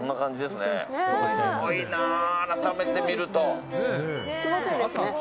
すごいな、改めて見ると。